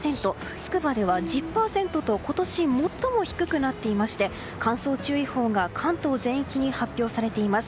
つくばでは１０％と今年最も低くなっていまして乾燥注意報が関東全域に発表されています。